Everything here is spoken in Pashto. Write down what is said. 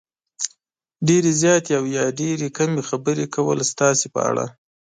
ډېرې زیاتې او یا ډېرې کمې خبرې کول ستاسې په اړه